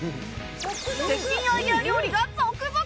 絶品アイデア料理が続々！